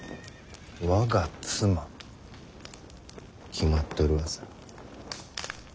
決まっとるわさ。